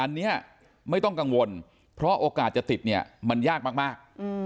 อันนี้ไม่ต้องกังวลเพราะโอกาสจะติดเนี่ยมันยากมาก